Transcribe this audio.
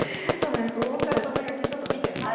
はい不穏なつぶやきちょっと見てみましょうね。